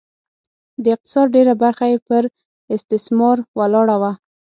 د اقتصاد ډېره برخه یې پر استثمار ولاړه وه